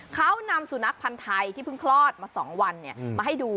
เขานำสุนัขพันธ์ไทยที่เพิ่งคลอดมา๒วันมาให้ดู